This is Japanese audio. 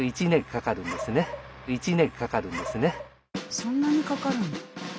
そんなにかかるんだ。